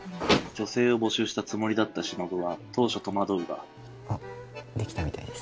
女性を募集したつもりだった忍は当初戸惑うがあっできたみたいです。